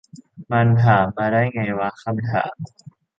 มันถามมาได้ไงวะ คำถาม